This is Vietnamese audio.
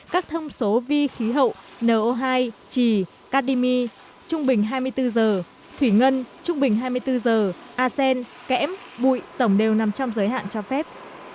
các thông số vi khí hậu no hai trì cadimi trung bình hai mươi bốn h thủy ngân trung bình hai mươi bốn h asen kẽm bụi tổng đều nằm trong giới hạn cho phép